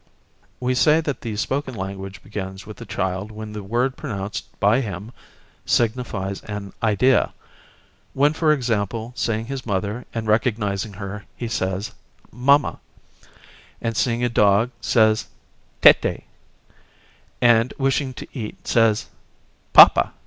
We say that the spoken language begins with the child when the word pronounced by him signifies an idea; when for example, seeing his mother and recognising her he says "mamma; " and seeing a dog says, "tettè;" and wishing to eat says: "pappa."